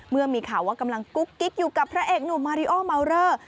เมื่อมีข่าวว่ากำลังกุ๊กกิ๊กอยู่กับพระเอกหนุ่มมาริโอเมาเลอร์